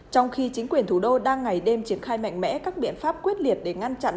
trong khi chính quyền thủ đô đang ngày đêm triển khai mạnh mẽ các biện pháp quyết liệt để ngăn chặn